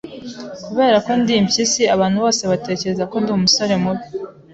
Kuberako ndi impyisi, abantu bose batekereza ko ndi umusore mubi.